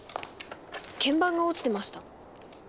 鍵盤が落ちてました。